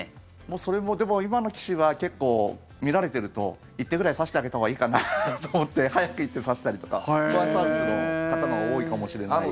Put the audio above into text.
それも、今の棋士は結構見られてると１手ぐらい指してあげたほうがいいかなと思って早く１手指したりとかはサービスする方が多いかもしれないですね。